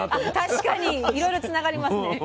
確かにいろいろつながりますね。